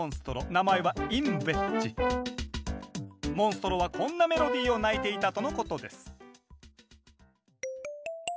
名前はモンストロはこんなメロディーを鳴いていたとのことです